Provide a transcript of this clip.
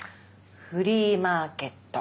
フリーマーケット。